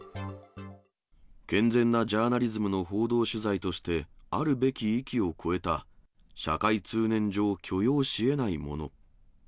健全なジャーナリズムの報道取材として、あるべき域を超えた、社会通念上許容しえないもの。